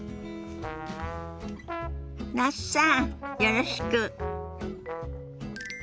那須さんよろしく。